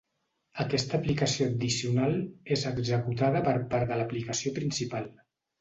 Aquesta aplicació addicional és executada per part de l'aplicació principal.